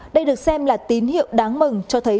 đây được xem là tín hiệu đáng mừng cho thấy